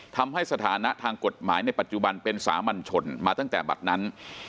ทำให้สถานะทางกฎหมายในปัจจุบันเป็นสามัญชนมาตั้งแต่บัตรนั้น